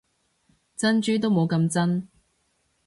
珍珠都冇咁真